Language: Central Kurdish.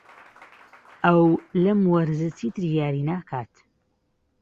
ئەو لەم وەرزە چیتر یاری ناکات.